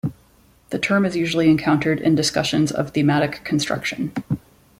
The term is usually encountered in discussions of "thematic construction".